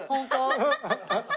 ハハハハハ！